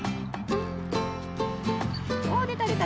おでたでた。